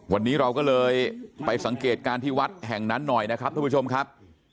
วันนี้เราก็เลยไปสังเกตการณ์ที่วัดแห่งนั้นหน่อยนะครับทุกผู้ชมครับ